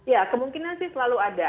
ya kemungkinan sih selalu ada